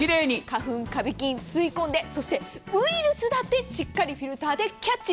花粉、カビ菌、吸い込んでそしてウイルスだってしっかりフィルターでキャッチ。